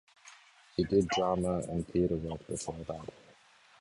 He did drama and theater work before that.